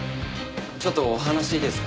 ちょっとお話いいですか？